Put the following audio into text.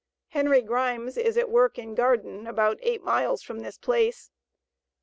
Henry Grimes is at work in Garden about eight miles from this place.